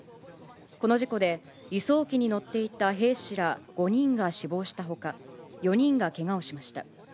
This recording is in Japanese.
この事故で、輸送機に乗っていた兵士ら５人が死亡したほか、４人がけがをしました。